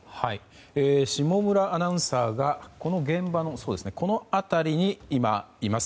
下村アナウンサーが現場のこの辺りにいます。